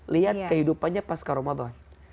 lihat kehidupannya pasca ramadan